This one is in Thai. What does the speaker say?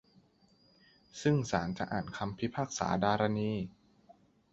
ซึ่งศาลจะอ่านคำพิพากษาดารณี